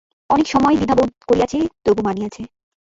অনেক সময় দ্বিধা বোধ করিয়াছে, তবু মানিয়াছে।